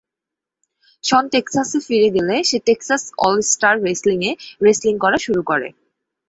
শন টেক্সাসে ফিরে গেলে সে টেক্সাস অল স্টার রেসলিং এ রেসলিং করা শুরু করে।